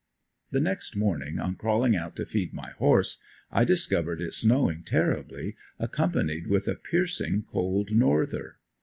The next morning on crawling out to feed my horse I discovered it snowing terribly, accompanied with a piercing cold norther.